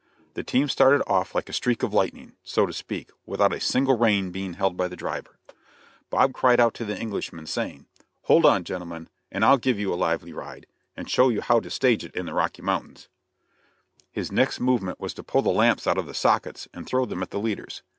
The team started off like a streak of lightning, so to speak, without a single rein being held by the driver. Bob cried out to the Englishmen, saying, "Hold on, gentlemen, and I'll give you a lively ride, and show you how to stage it in the Rocky Mountains." [Illustration: BOB SCOTT'S FAMOUS COACH RIDE.] His next movement was to pull the lamps out of the sockets and throw them at the leaders.